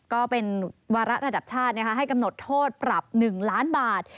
ก็เป็นวาระระดับชาติให้กำหนดโทษปรับ๑ล้านบาท